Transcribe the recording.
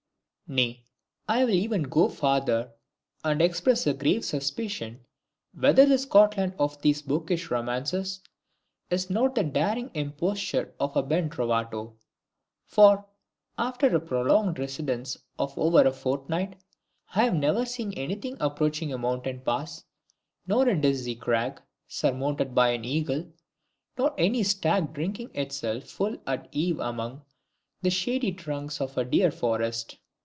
Nay, I will even go farther and express a grave suspicion whether the Scotland of these bookish romances is not the daring imposture of a ben trovato. For, after a prolonged residence of over a fortnight, I have never seen anything approaching a mountain pass, nor a dizzy crag, surmounted by an eagle, nor any stag drinking itself full at eve among the shady trunks of a deer forest!